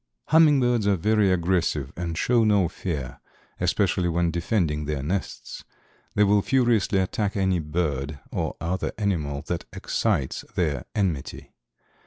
Hummingbirds are very aggressive and show no fear, especially when defending their nests. They will furiously attack any bird or other animal that excites their enmity.